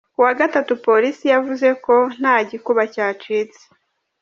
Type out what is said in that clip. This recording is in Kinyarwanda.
Ku wa gatatu, polisi yavuze ko nta gikuba cyacitse.